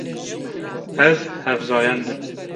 Ez hevzayend im.